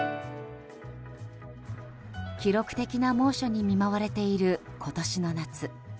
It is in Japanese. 記録的な猛暑に見舞われている今年の夏。